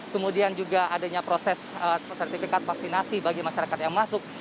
kemudian juga adanya proses sertifikat vaksinasi bagi masyarakat yang masuk